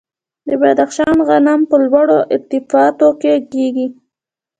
د بدخشان غنم په لوړو ارتفاعاتو کې کیږي.